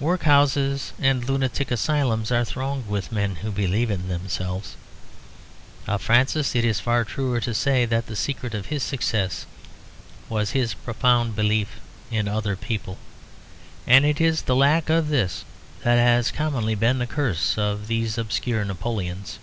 Workhouses and lunatic asylums are thronged with men who believe in themselves. Of Francis it is far truer to say that the secret of his success was his profound belief in other people, and it is the lack of this that has commonly been the curse of these obscure Napoleons.